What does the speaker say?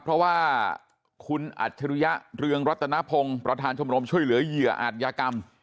เพราะว่าคุณอัจฉริยะเรืองรัตนพงศ์ประธานชมรมช่วยเหลือเหยื่ออาจยากรรม